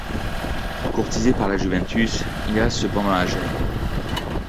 Courtisé par la Juventus, il reste cependant à Gênes.